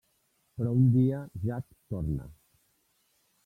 Però un dia Jack torna.